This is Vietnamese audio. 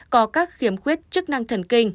có các khiếm khuyết chức năng thần kinh